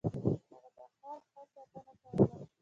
هغه د خر ښه ساتنه کوله.